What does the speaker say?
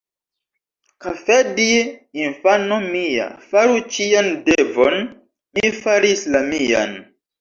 Kafedji, infano mia, faru cian devon: mi faris la mian.